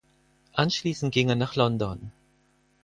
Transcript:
Anschließend ging er nach London.